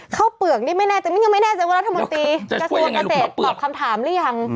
เปลือกนี่ไม่แน่ใจมิ้นยังไม่แน่ใจว่ารัฐมนตรีกระทรวงเกษตรตอบคำถามหรือยัง